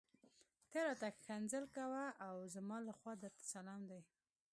ته راته ښکنځل کوه او زما لخوا درته سلام دی.